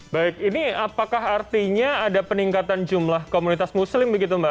baik ini apakah artinya ada peningkatan jumlah komunitas muslim begitu mbak